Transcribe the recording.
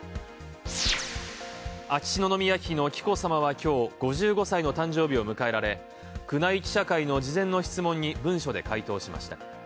秋篠宮妃の紀子さまは今日、５５歳の誕生日を迎えられ宮内記者会の事前の質問に文書で回答しました。